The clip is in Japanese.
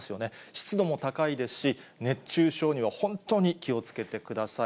湿度も高いですし、熱中症には本当に気をつけてください。